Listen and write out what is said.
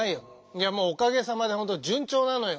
いやもうおかげさまで本当順調なのよ。